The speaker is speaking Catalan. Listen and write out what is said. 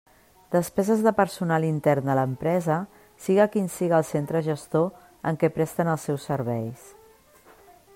Despeses de personal intern de l'empresa, siga quin siga el centre gestor en què presten els seus serveis.